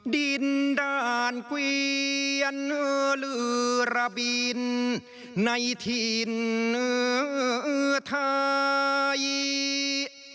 ดินด่านเกวียนอลือระบินในถิ่นเนื้อไทย